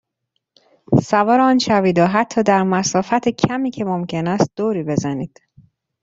سوار آن شوید و حتی در مسافت کمی که ممکن است دوری بزنید.